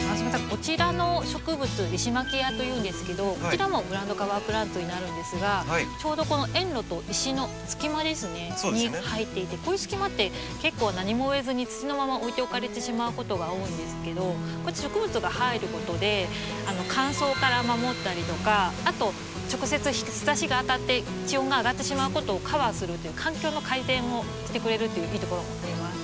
こちらの植物リシマキアというんですけどこちらもグラウンドカバープランツになるんですがちょうどこの園路と石の隙間ですねに生えていてこういう隙間って結構何も植えずに土のまま置いておかれてしまうことが多いんですけどこうやって植物が入ることで乾燥から守ったりとかあと直接日ざしが当たって地温が上がってしまうことをカバーするという環境の改善をしてくれるっていういいところもあります。